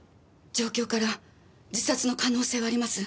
状況から自殺の可能性はあります。